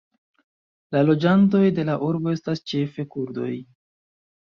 La loĝantoj de la urbo estas ĉefe kurdoj.